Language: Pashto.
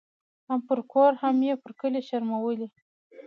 هم پر کور هم یې پر کلي شرمولې